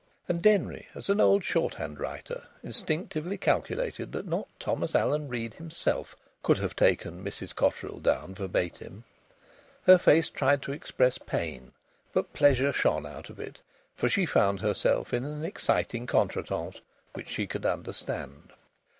And Denry, as an old shorthand writer, instinctively calculated that not Thomas Allen Reed himself could have taken Mrs Cotterill down verbatim. Her face tried to express pain, but pleasure shone out of it. For she found herself in an exciting contretemps which she could understand.